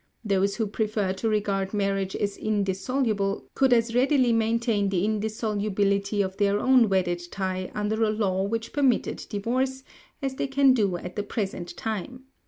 Those who prefer to regard marriage as indissoluble could as readily maintain the indissolubility of their own wedded tie under a law which permitted divorce, as they can do at the present time.